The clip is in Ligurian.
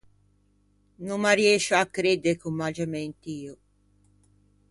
No m’arriëscio à credde ch’o m’agge mentio!